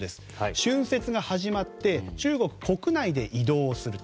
春節が始まって中国国内で移動をすると。